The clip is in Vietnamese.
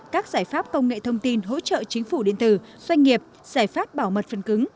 các giải pháp công nghệ thông tin hỗ trợ chính phủ điện tử doanh nghiệp giải pháp bảo mật phần cứng